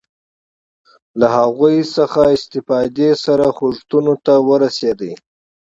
له هغوی څخه استفادې سره غوښتنو ته ورسېږي.